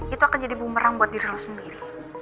itu akan jadi bumerang buat diri lo sendiri